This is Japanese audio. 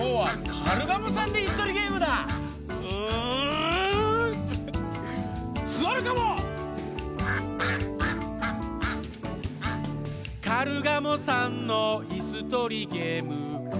「カルガモさんのいすとりゲーム」